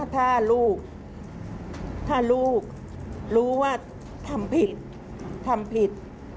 ถ้าลูกรู้ว่าทำผิด